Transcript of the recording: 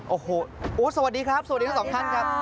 โอ้โหสวัสดีครับสวัสดีทั้งสองท่านครับ